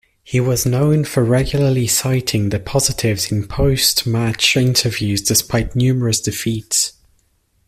He was known for regularly citing the 'positives' in post-match interviews despite numerous defeats.